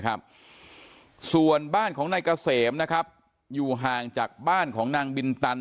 ครับส่วนบ้านของนายเกษมนะครับอยู่ห่างจากบ้านของนางบินตัน